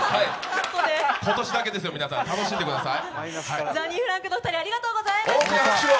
今年だけです、楽しんでください。